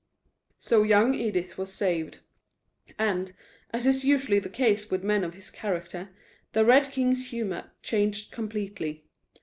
So young Edith was saved; and, as is usually the case with men of his character, the Red King's humor changed completely.